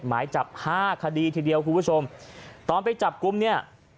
หมายจับห้าคดีทีเดียวคุณผู้ชมตอนไปจับกลุ่มเนี่ย